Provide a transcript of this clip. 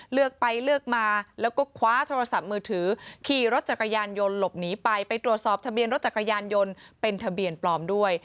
เลือกไปเลือกมาแล้วก็คว้าโทรศัพท์มือถือขี่รถจักรยานยนต์หลบหนีไปไปตรวจสอบทะเบียนรถจักรยานยนต์เป็นทะเบียนปลอมด้วย